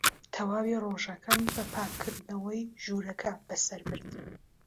تەواوی ڕۆژەکەم بە پاککردنەوەی ژوورەکە بەسەر برد.